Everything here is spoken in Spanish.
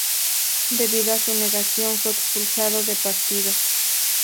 Debido a su negación fue expulsado del partido.